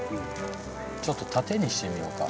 ちょっと縦にしてみようか。